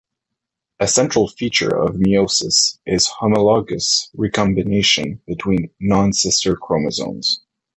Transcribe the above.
A central feature of meiosis is homologous recombination between non-sister chromosomes.